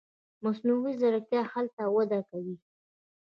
مصنوعي ځیرکتیا هلته وده کوي.